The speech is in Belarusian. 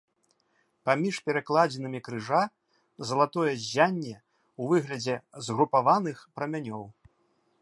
Паміж перакладзінамі крыжа залатое ззянне ў выглядзе згрупаваных прамянёў.